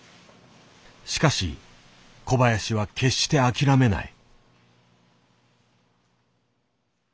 しかし小林は決して諦めない。